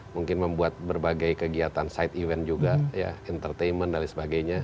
mungkin membuat berbagai kegiatan side event juga entertainment dan lain sebagainya